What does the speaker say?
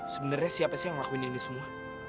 sebenarnya siapa sih yang ngelakuin ini semua